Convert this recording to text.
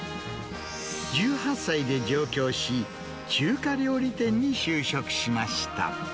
１８歳で上京し、中華料理店に就職しました。